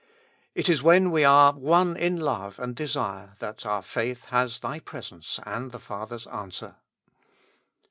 It is when we are one in love and desire that our faith has Thy presence and the Father's answer.